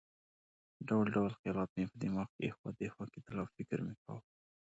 ډول ډول خیالات مې په دماغ کې اخوا دېخوا کېدل او فکر مې کاوه.